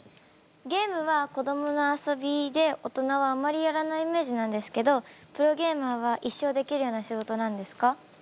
ゲームは子どもの遊びで大人はあまりやらないイメージなんですけどプロゲーマーは一生できるような仕事なんですか？